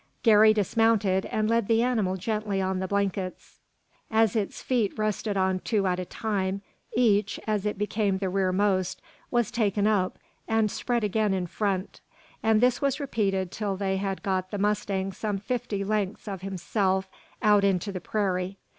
Garey dismounted, and led the animal gently on the blankets. As its feet rested on two at a time, each, as it became the rearmost, was taken up, and spread again in front; and this was repeated until they had got the mustang some fifty lengths of himself out into the prairie.